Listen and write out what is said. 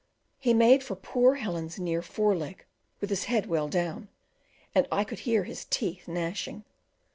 He made for poor Helen's near fore leg with his head well down, and I could hear his teeth gnashing.